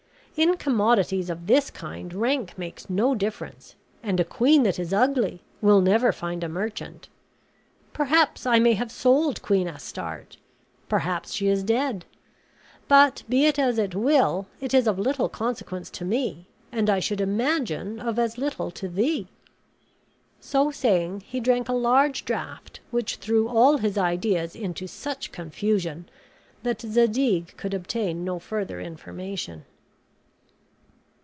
In commodities of this kind rank makes no difference, and a queen that is ugly will never find a merchant. Perhaps I may have sold Queen Astarte; perhaps she is dead; but, be it as it will, it is of little consequence to me, and I should imagine of as little to thee." So saying he drank a large draught which threw all his ideas into such confusion that Zadig could obtain no further information.